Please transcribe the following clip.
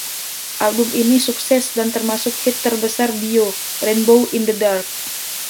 Album ini sukses dan termasuk hit terbesar Dio, "Rainbow in the Dark".